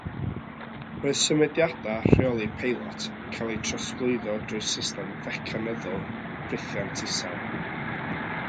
Roedd symudiadau rheoli peilot yn cael eu trosglwyddo drwy system fecanyddol ffrithiant isel.